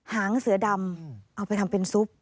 หางเสือดำเอาไปทำเป็นซุป